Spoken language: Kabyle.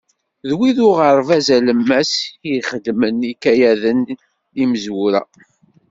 D wid uɣerbaz alemmas i ixeddmen ikayaden d imezwura.